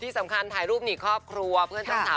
ที่สำคัญถ่ายรูปหนีครอบครัวเพื่อนเจ้าสาว